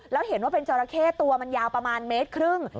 แล้วเห็นว่าเป็นจราเข้ตัวมันยาวประมาณเมตรครึ่ง